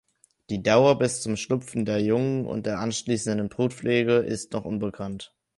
Die Dauer bis zum Schlüpfen der Jungen und der anschließenden Brutpflege ist noch unbekannt.